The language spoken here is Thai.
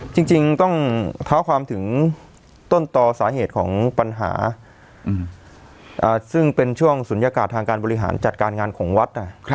จริงต้องเท้าความถึงต้นต่อสาเหตุของปัญหาซึ่งเป็นช่วงศูนยากาศทางการบริหารจัดการงานของวัด